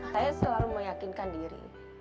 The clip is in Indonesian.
saya selalu meyakinkan diri